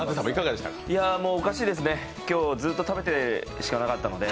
おかしいですね、今日、ずっと食べてしかなかったので。